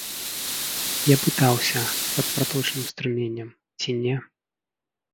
Я пытаўся, пад праточным струменем, ці не.